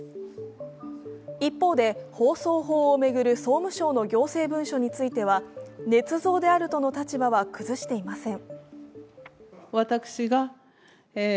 一方で、放送法を巡る総務省の行政文書については、ねつ造であるとの立場は崩していません。